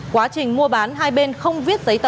quá trình mua bán hai bên không viết giấy tờ